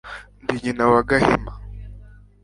Ndi nyina wa Gahima,